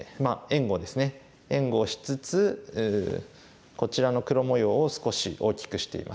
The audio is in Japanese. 援護をしつつこちらの黒模様を少し大きくしています。